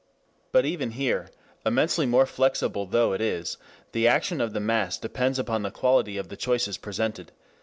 But even here, immensely more flexible though it is, the action of the mass depends upon the quality of the choices presented.